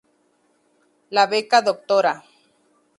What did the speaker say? La beca Dra.